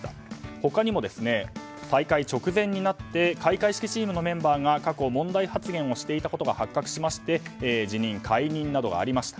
他にも大会直前になって開会式チームのメンバーが過去、問題発言をしていたことが発覚しまして辞任、解任などがありました。